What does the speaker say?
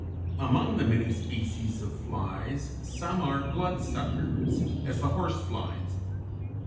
] Among the many species of flies some are bloodsuckers, as the horse flies.